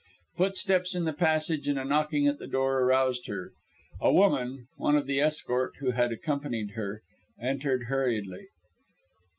Footsteps in the passage and a knocking at the door aroused her. A woman, one of the escort who had accompanied her, entered hurriedly.